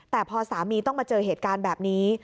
แต่พอสามีต้องมาเจอเหตุการณ์แบบนี้